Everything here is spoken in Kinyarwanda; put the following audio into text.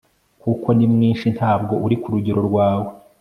kuko nimwinshi ntabwo uri kurugero rwawe